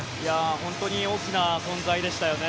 本当に大きな存在でしたよね。